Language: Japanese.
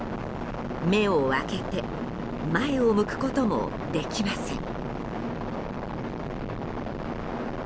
目を開けて前を向くこともできません。